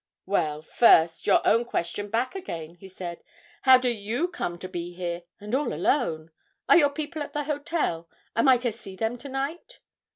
'Well, first, your own question back again,' he said. 'How do you come to be here, and all alone? Are your people at the hotel? Am I to see them to night?'